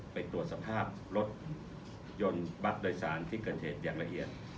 ไปตรวจสภาพรถยนต์บัตรโดยสารที่เกิดเหตุอย่างละเอียด